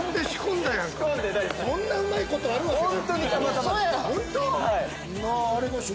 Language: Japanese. そんなうまいことあるわけない。